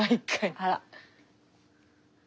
あら。